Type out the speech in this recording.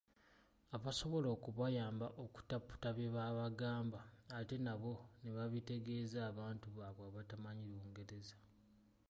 Abasobola okubayamba okutaputa bye babagamba ate nabo ne babitegeeza abantu baabwe abatamanyi Lungereza.